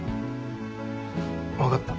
分かった。